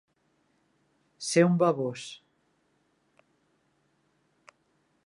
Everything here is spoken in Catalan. Ser un bavós.